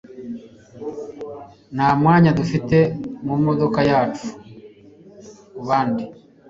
Nta mwanya dufite mu modoka yacu kubandi.